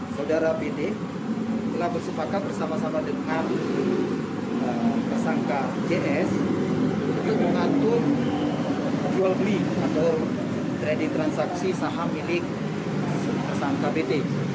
saudara pt telah bersepakat bersama sama dengan tersangka js untuk mengatur jual beli atau trading transaksi saham milik tersangka pt